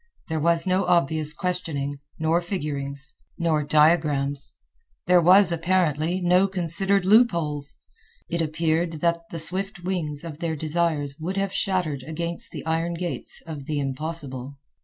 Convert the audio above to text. There was no obvious questioning, nor figurings, nor diagrams. There was, apparently, no considered loopholes. It appeared that the swift wings of their desires would have shattered against the iron gates of the impossible.